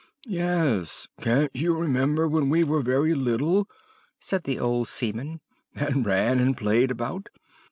"'Yes, can't you remember when we were very little,' said the old seaman, 'and ran and played about?